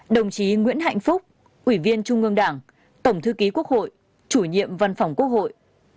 hai mươi chín đồng chí nguyễn hạnh phúc ủy viên trung ương đảng tổng thư ký quốc hội chủ nhiệm văn phòng quốc hội